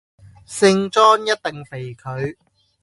聖莊一定肥佢